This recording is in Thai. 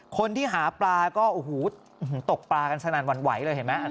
คนที่หาปลาก็โอ้โหตกปลากันสนั่นหวั่นไหวเลยเห็นไหม